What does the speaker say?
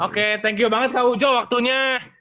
oke thank you banget kak ujo waktunya